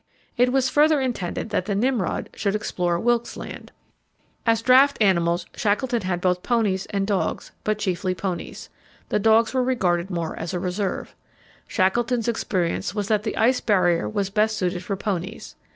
It was further intended that the Nimrod should explore Wilkes Land. As draught animals Shackleton had both ponies and dogs, but chiefly ponies. The dogs were regarded more as a reserve. Shackleton's experience was that the Ice Barrier was best suited for ponies.